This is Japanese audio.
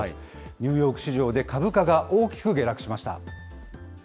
ニューヨーク市場で株価が大きく下落しました。